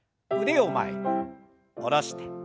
腕を前に下ろして。